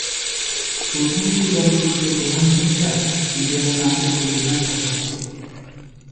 প্রথমে এই চলচ্চিত্রের প্রধান ভূমিকায় ইলিয়াস কাঞ্চন এর অভিনয়ের কথা ছিল।